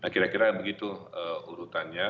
kira kira begitu urutannya